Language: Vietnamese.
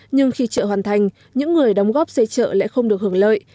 nhưng khi chợ hoàn thành những người đóng góp xây chợ lại không được hưởng lợi